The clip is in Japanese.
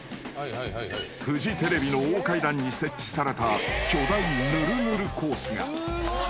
［フジテレビの大階段に設置された巨大ヌルヌルコースが］